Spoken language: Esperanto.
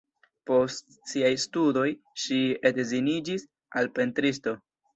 Post siaj studoj ŝi edziniĝis al pentristo.